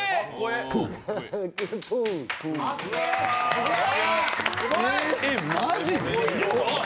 すげえ！